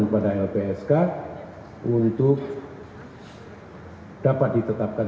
kepada lpsk untuk dapat ditetapkan